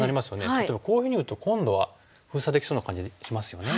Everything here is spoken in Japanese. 例えばこういうふうに打つと今度は封鎖できそうな感じしますよね。